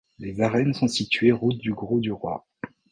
Les arènes sont situées route du Grau-du-Roi.